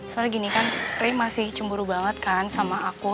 soalnya gini kan ray masih cemburu banget kan sama aku